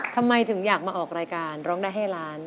ทำไมถึงอยากมาออกรายการร้องได้ให้ล้าน